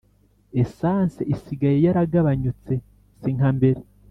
Essence isigaye yaraganyutse sinkambere